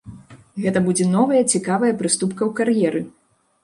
Гэта будзе новая цікавая прыступка ў кар'еры.